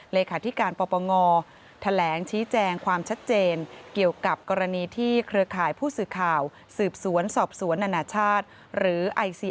เลขาธิการปปงแถลงชี้แจงความชัดเจนเกี่ยวกับกรณีที่เครือข่ายผู้สื่อข่าวสืบสวนสอบสวนนานาชาติหรือไอซี